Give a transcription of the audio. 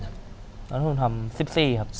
เริ่มก็ต้องทำ๑๔